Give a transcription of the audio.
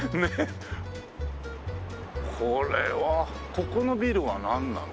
ここのビルはなんなの？